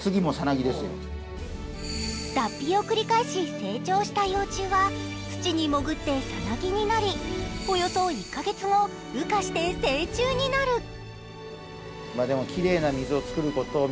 脱皮を繰り返し成長した幼虫は土に潜ってさなぎになり、およそ１カ月後、羽化して成虫になる。